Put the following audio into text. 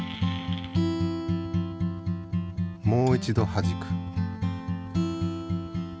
もう一度はじく。